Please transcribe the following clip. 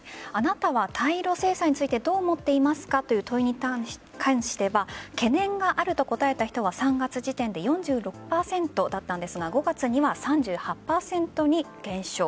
あなたは対露制裁についてどう思っていますかという問いに関しては懸念があると答えた人が３月時点で４６％だったんですが５月には３８％に減少。